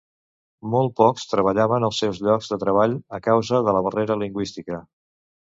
Molt pocs treballaven als seus llocs de treball a causa de la barrera lingüística.